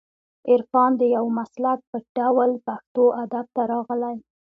عرفان د یو مسلک په ډول پښتو ادب ته راغلی